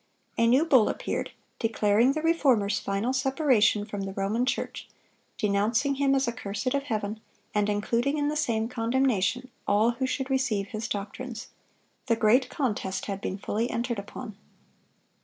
A new bull appeared, declaring the Reformer's final separation from the Roman Church, denouncing him as accursed of Heaven, and including in the same condemnation all who should receive his doctrines. The great contest had been fully entered upon.